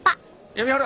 闇原。